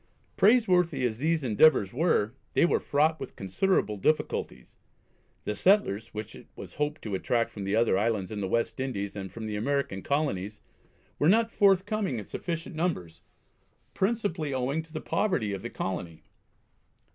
Praiseworthy as these endeavours were they were fraught with considerable difficulties. The settlers which it was hoped to attract from the other islands in the West Indies and from the American Colonies were not forthcoming in sufficient numbers, principally owing to the poverty of the colony.